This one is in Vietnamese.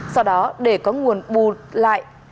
sau đó để có nguồn bù lại